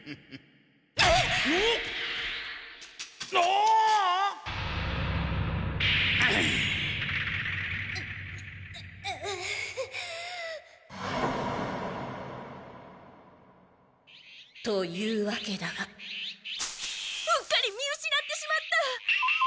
うう。というわけだがうっかり見うしなってしまった！